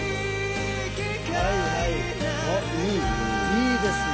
いいですね。